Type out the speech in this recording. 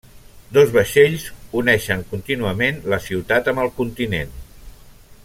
Dos vaixells uneixen contínuament la ciutat amb el continent.